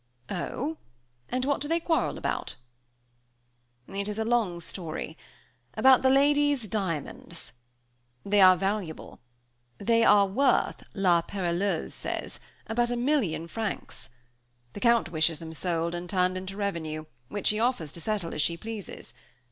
"Oh! and what do they quarrel about?" "It is a long story; about the lady's diamonds. They are valuable they are worth, La Perelleuse says, about a million of francs. The Count wishes them sold and turned into revenue, which he offers to settle as she pleases.